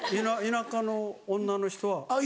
田舎の女の人は。